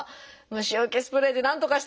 虫よけスプレーでなんとかしてください！